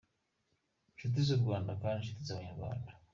Nshuti z’u Rwanda kandi nshuti z’abanyarwanda,